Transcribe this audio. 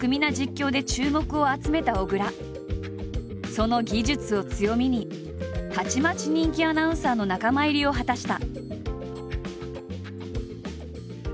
その技術を強みにたちまち人気アナウンサーの仲間入りを果たした。